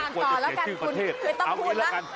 อื้ออ่านต่อละกันคุณคุณคือต้องพูดละ